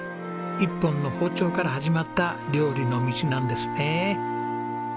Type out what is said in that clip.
１本の包丁から始まった料理の道なんですね。